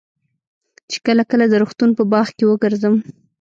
چې کله کله د روغتون په باغ کښې وګرځم.